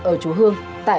ở chú hương